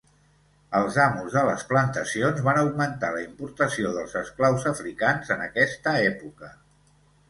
Els amos de les plantacions van augmentar la importació dels esclaus africans en aquesta època.